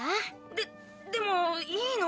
ででもいいの？